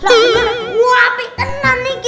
langsung ke gua api enan nih ki